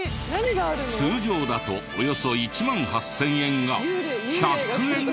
通常だとおよそ１万８０００円が１００円に！